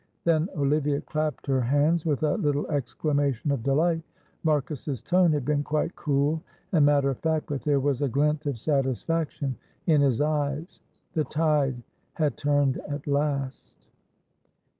Then Olivia clapped her hands with a little exclamation of delight. Marcus's tone had been quite cool and matter of fact, but there was a glint of satisfaction in his eyes. The tide had turned at last.